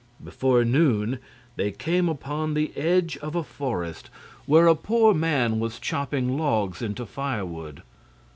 Before noon they came upon the edge of a forest, where a poor man was chopping logs into firewood.